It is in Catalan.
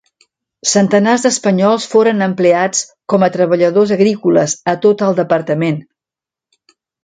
Centenars d'espanyols foren empleats com a treballadors agrícoles a tot el departament.